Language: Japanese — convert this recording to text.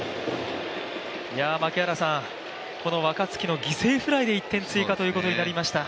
この若月の犠牲フライで１点追加ということになりました。